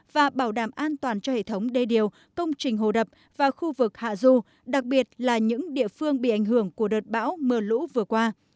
và bảo đảm an toàn cho hệ thống đê điều công trình hồ đập và khu vực hạ du đặc biệt là những địa phương bị ảnh hưởng của đợt bão mưa lũ vừa qua